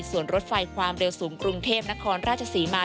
ส่วนรถไฟความเร็วสูงกรุงเทพนครราชศรีมา